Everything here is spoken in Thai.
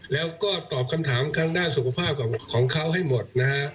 แล้วก็ตอบคำถามทางด้านสุขภาพของเขาให้หมดนะฮะ